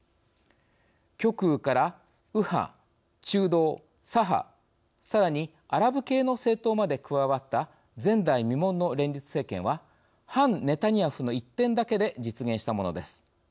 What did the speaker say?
極右から、右派、中道、左派さらにアラブ系の政党まで加わった、前代未聞の連立政権は反ネタニヤフの１点だけで実現したものです。